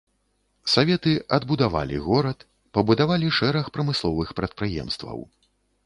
Саветы адбудавалі горад, пабудавалі шэраг прамысловых прадпрыемстваў.